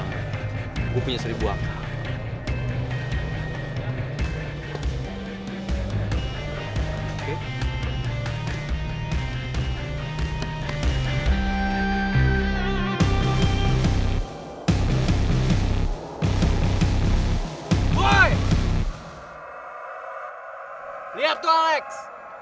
nah gue punya seribu angka